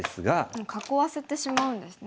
もう囲わせてしまうんですね。